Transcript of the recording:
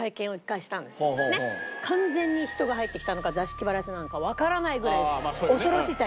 完全に人が入ってきたのか座敷わらしなのかわからないぐらい恐ろしい体験。